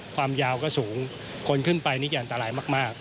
ความยาวก็สูงคนขึ้นไปนี่จะอันตรายมาก